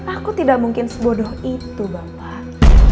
aku tidak mungkin sebodoh itu bapak